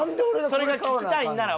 それが聞きたいんなら。